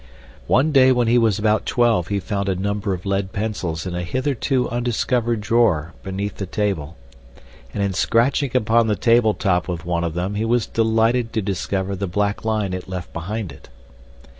One day when he was about twelve he found a number of lead pencils in a hitherto undiscovered drawer beneath the table, and in scratching upon the table top with one of them he was delighted to discover the black line it left behind it.